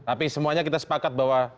tapi semuanya kita sepakat bahwa